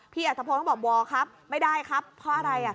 พี่อาจารย์พวกเขาบอกว่าครับไม่ได้ครับเพราะอะไร